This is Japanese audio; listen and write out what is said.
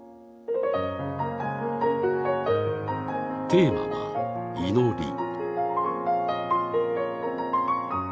テーマは祈り。